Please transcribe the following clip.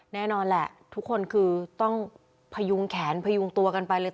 แน่นอนแหละทุกคนคือต้องพยุงแขนพยุงตัวกันไปเลย